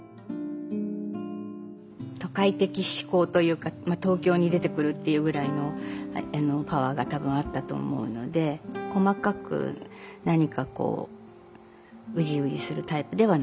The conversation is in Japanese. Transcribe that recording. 都会的思考というか東京に出てくるっていうぐらいのパワーが多分あったと思うので細かく何かこうウジウジするタイプではなかったですね。